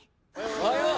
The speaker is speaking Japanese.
おはよう！